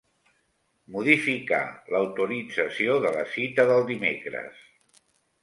Modificar l'autorització de la cita del dimecres.